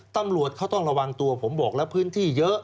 ตำรวจเขาต้องระวังตัวผมบอกแล้วพื้นที่เยอะ